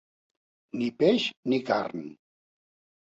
Ni peix ni carn.